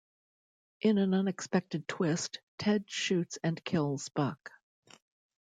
In an unexpected twist, Ted shoots and kills Buck.